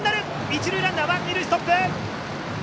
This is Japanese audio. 一塁ランナーは二塁ストップ。